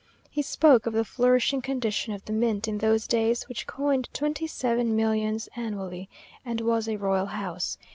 He spoke of the flourishing condition of the mint in those days, which coined twenty seven millions annually, and was a royal house.